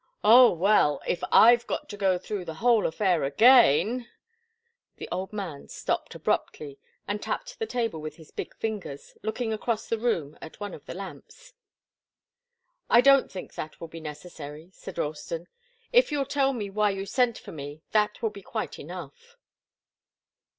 "Oh, well! If I've got to go through the whole affair again " The old man stopped abruptly and tapped the table with his big fingers, looking across the room at one of the lamps. "I don't think that will be necessary," said Ralston. "If you'll tell me why you sent for me that will be quite enough."